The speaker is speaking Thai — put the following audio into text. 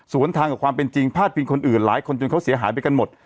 ส่วนทางกับความเป็นจริงพาดพิงคนอื่นหลายคนจนเขาเสียหายไปกันหมด